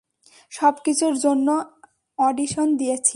সবকিছুর জন্য অডিশন দিয়েছি।